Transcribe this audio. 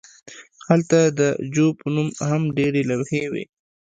هلته د جو په نوم هم ډیرې لوحې وې